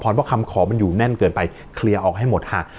เพราะคำขอมันอยู่แน่นเกินไปเคลียร์ออกให้หมดค่ะ